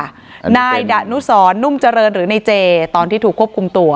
นายดะนุสรนุ่มเจริญหรือในเจตอนที่ถูกควบคุมตัว